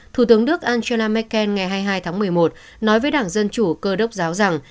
thủ tướng đức angela merkel ngày hai mươi hai tháng một mươi một nói với đảng dân chủ cơ đốc giáo rằng